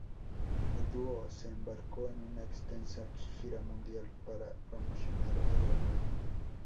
El dúo se embarcó en una extensa gira mundial para promocionar el álbum.